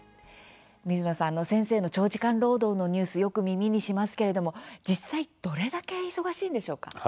水野さん、先生の長時間労働のニュースよく耳にしますけれども実際どれだけ忙しいんでしょうか？